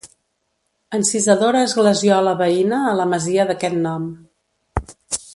Encisadora esglesiola veïna a la masia d'aquest nom.